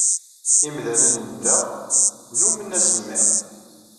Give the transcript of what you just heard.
Imdanen n da nnumen asemmiḍ.